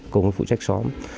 cùng với phụ trách xóm